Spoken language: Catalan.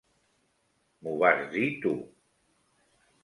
M'ho vas dir tu.